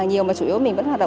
của cả một tập thể